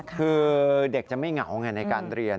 คือเด็กจะไม่เหงาไงในการเรียน